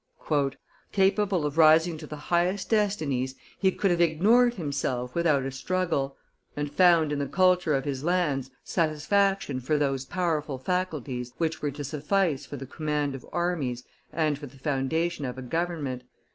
"Capable of rising to the highest destinies, he could have ignored himself without a struggle, and found in the culture of his lands satisfaction for those powerful faculties which were to suffice for the command of armies and for the foundation of a government.